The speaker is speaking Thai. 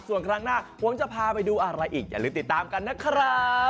ส่วนครั้งหน้าผมจะพาไปดูอะไรอีกอย่าลืมติดตามกันนะครับ